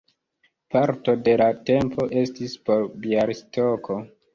Parto de la tempo estis por Bjalistoko.